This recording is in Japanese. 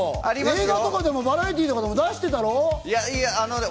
映画とかバラエティーでも出してたろ？